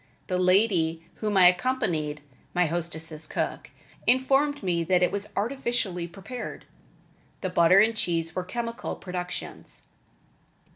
The lady whom I accompanied (my hostess' cook) informed me that it was artificially prepared. The butter and cheese were chemical productions.